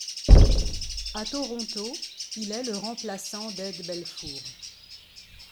À Toronto, il est le remplaçant d'Ed Belfour.